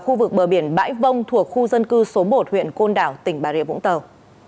khu vực bờ biển bãi vông thuộc khu dân cư số một huyện côn đảo tỉnh bà rịa vũng tàu